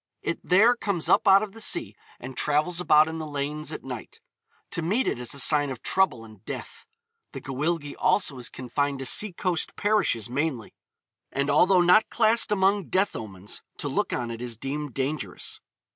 It there comes up out of the sea and travels about in the lanes at night. To meet it is a sign of trouble and death. The Gwyllgi also is confined to sea coast parishes mainly, and although not classed among death omens, to look on it is deemed dangerous.